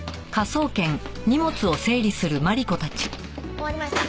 終わりました。